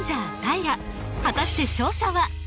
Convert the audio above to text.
果たして勝者は？